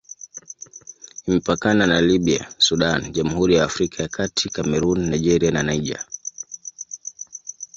Imepakana na Libya, Sudan, Jamhuri ya Afrika ya Kati, Kamerun, Nigeria na Niger.